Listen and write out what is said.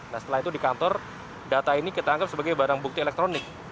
nah setelah itu di kantor data ini kita anggap sebagai barang bukti elektronik